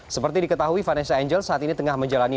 seperti diketahui vanessa angel saat ini tengah menjalani